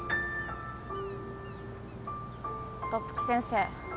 特服先生